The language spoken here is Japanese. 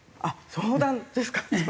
相談ですか？